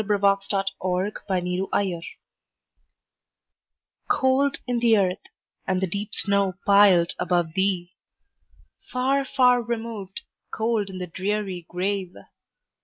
Emily Brontë Remembrance COLD in the earth, and the deep snow piled above thee! Far, far removed, cold in the dreary grave!